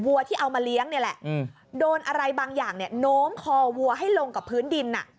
วัวที่เอามาเลี้ยงนี่แหละโดนอะไรบางอย่างเนี่ยโน้มคอวัวให้ลงกับพื้นดิน